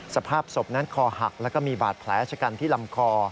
สภาพศพนั้นคอหักแล้วก็มีบาดแผลชะกันที่ลำคอ